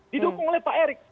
didukung oleh pak erick